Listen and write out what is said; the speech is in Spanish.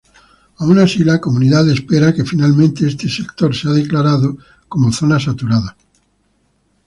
Aun así la comunidad espera que finalmente este sector sea declarada como zona saturada.